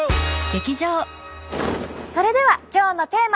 それでは今日のテーマ。